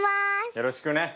よろしくね。